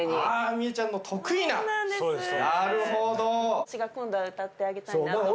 私が今度は歌ってあげたいなと思って。